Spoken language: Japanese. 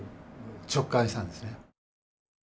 直感したんですね。